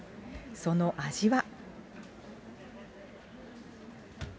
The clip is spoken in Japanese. その味は。